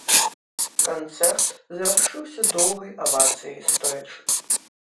Канцэрт завяршыўся доўгай авацыяй стоячы.